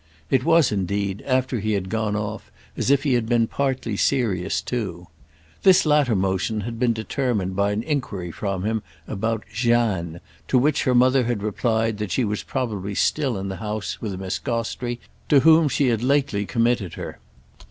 It was indeed, after he had gone off, as if he had been partly serious too. This latter motion had been determined by an enquiry from him about "Jeanne"; to which her mother had replied that she was probably still in the house with Miss Gostrey, to whom she had lately committed her.